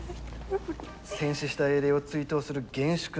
戦死した英霊を追悼する厳粛な国家行事です。